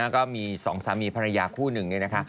ก็มีสองสามีภรรยาคู่หนึ่งเนี่ยนะคะ